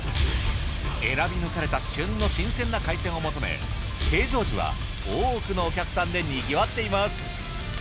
選び抜かれた旬の新鮮な海鮮を求め平常時は多くのお客さんでにぎわっています。